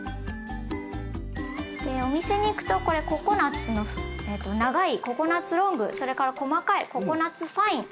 お店に行くとこれココナツの長いココナツロングそれから細かいココナツファイン。